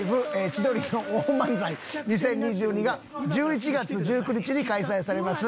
「千鳥の大漫才２０２２」が１１月１９日に開催されます。